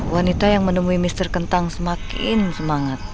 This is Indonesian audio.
wanita yang menemui mr kentang semakin semangat